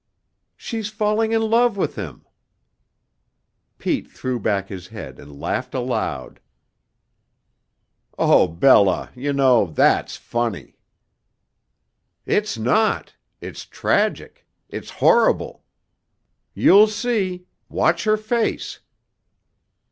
"She's falling in love with him!" Pete threw back his head and laughed aloud. "Oh, Bella, you know, that's funny!" "It's not. It's tragic. It's horrible. You'll see. Watch her face."